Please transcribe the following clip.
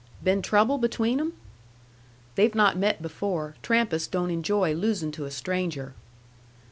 "Been trouble between 'em?" "They've not met before. Trampas don't enjoy losin' to a stranger."